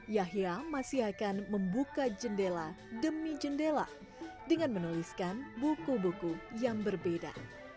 yahya masih akan membuka jendela demi jendela dengan menuliskan buku buku yang berbeda